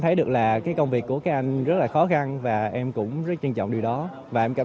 thấy được là cái công việc của các anh rất là khó khăn và em cũng rất trân trọng điều đó và em cảm